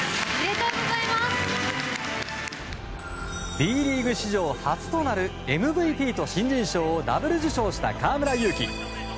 Ｂリーグ史上初となるＭＶＰと新人賞をダブル受賞した河村勇輝。